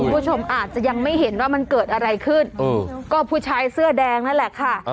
คุณผู้ชมอาจจะยังไม่เห็นว่ามันเกิดอะไรขึ้นก็ผู้ชายเสื้อแดงนั่นแหละค่ะ